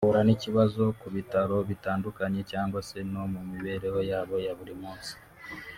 Bahura n’ikibazo ku bitaro bitandukanye cyangwa se no mu mibereho yabo ya buri munsi